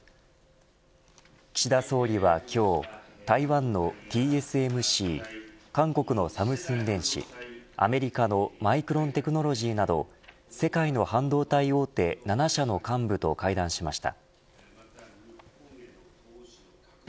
岸田総理は今日台湾のＴＳＭＣ韓国のサムスン電子アメリカのマイクロン・テクノロジーなど世界の半導体大手７社の幹部と会談しました。